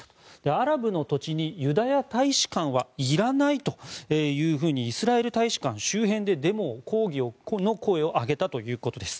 アラブの土地にユダヤ大使館はいらないとイスラエル大使館周辺で抗議の声を上げたということです。